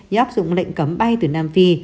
như áp dụng lệnh cấm bay từ nam phi